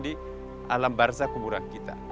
di alam barza kuburan kita